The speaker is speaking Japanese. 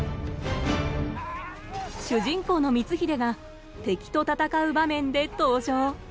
主人公の光秀が敵と戦う場面で登場。